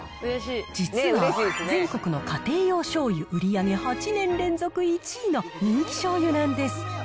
実は、全国の家庭用醤油売り上げ８年連続１位の人気醤油なんです。